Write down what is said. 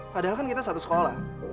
padahal kan kita satu sekolah